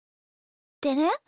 でね